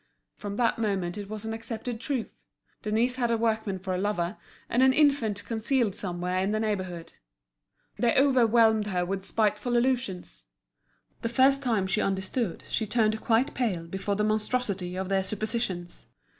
From that moment it was an accepted truth: Denise had a workman for a lover, and an infant concealed somewhere in the neighbourhood. They overwhelmed her with spiteful allusions. The first time she understood she turned quite pale before the monstrosity of their suppositions.